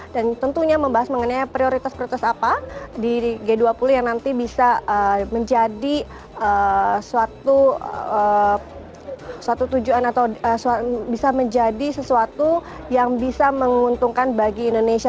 dan tentunya membahas mengenai prioritas prioritas apa di g dua puluh yang nanti bisa menjadi sesuatu yang bisa menguntungkan bagi indonesia